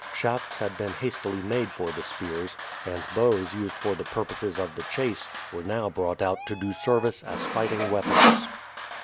Shafts had been hastily made for the spears, and bows used for the purposes of the chase were now brought out to do service as fighting weapons.